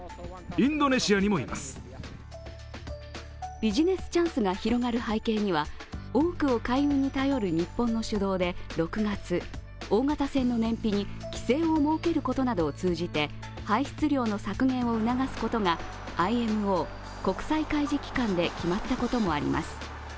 ビジネスチャンスが広がる背景には多くを海運に頼る日本の主導で６月大型船の燃費に規制を設けることなどを通じて排出量の削減を促すことがＩＭＯ＝国際海事機関で決まったこともあります。